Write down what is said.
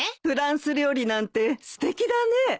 フランス料理なんてすてきだね。